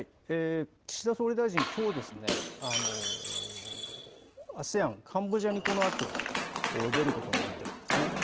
岸田総理大臣きょう、ＡＳＥＡＮ、カンボジアにこのあと出ることになっています。